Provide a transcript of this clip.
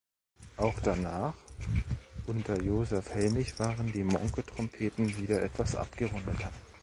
Auch danach unter Josef Helmich waren die Monke-Trompeten wieder etwas abgerundeter.